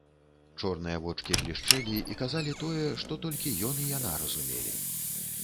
Чорныя вочкі блішчэлі і казалі тое, што толькі ён і яна разумелі.